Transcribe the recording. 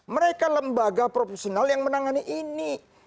mereka lembaga profesional yang menangani ini